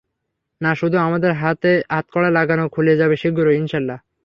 না শুধু আমাদের হাতে হাত-কড়া লাগানো খুলে যাবে শীঘ্রই, ইনশাল্লাহ।